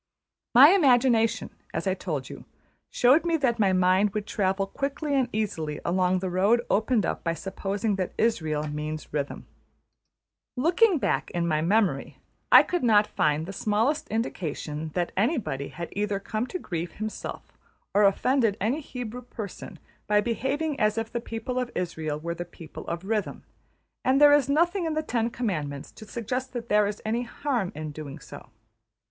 My imagination, as I told you, showed me that my mind would travel quickly and easily along the road opened up by supposing that Israël means Rhythm. Looking back in my memory, I could not find the smallest indication that anybody had either come to grief himself or offended any Hebrew person by behaving as if the people of Israël were the People of Rhythm; and there is nothing in the Ten Commandments to suggest that there is any harm in doing so.